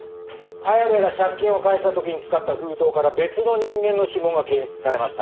綾部が借金を返した時に使った封筒から別の人間の指紋が検出されました。